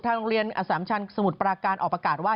โรงเรียนอสามชันสมุทรปราการออกประกาศว่า